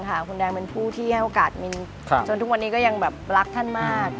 คุณแดงค่ะคุณแดงเป็นผู้ที่ให้โอกาสมินจนถึงวันนี้ก็ยังอรับท่านมาก